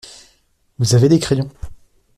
Vous avez des crayons ?